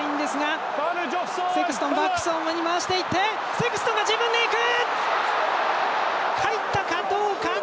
セクストンが自分でいく！